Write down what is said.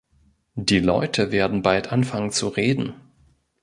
Die Leute werden bald anfangen zu reden.